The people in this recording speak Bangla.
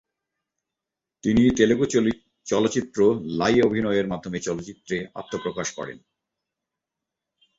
তিনি তেলুগু চলচ্চিত্র "লাই"য়ে অভিনয়ের মাধ্যমে চলচ্চিত্রে আত্মপ্রকাশ করেন।